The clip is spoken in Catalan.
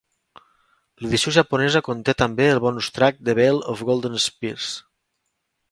L'edició japonesa conté també el bonus track "The Veil of Golden Spheres".